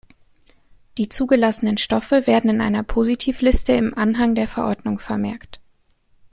Die zugelassenen Stoffe werden in einer Positivliste im Anhang der Verordnung vermerkt.